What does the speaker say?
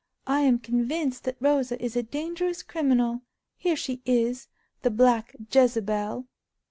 "I am convinced that Rosa is a dangerous criminal. Here she is—the black Jezebel!"